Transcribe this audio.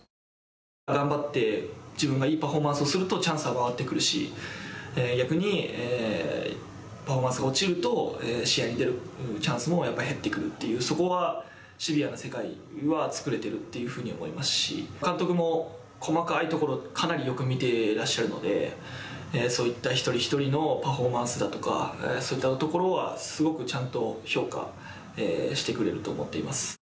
頑張って自分がいいパフォーマンスをするとチャンスは回ってくるし、逆にパフォーマンスが落ちると試合に出るチャンスも減ってくるというそこはシビアな世界は作れているというふうに思いますし、監督も細かいところかなりよく見てらっしゃるのでそういった一人一人のパフォーマンスだとか、そういったところはすごくちゃんと評価してくれると思っています。